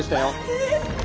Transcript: えっ？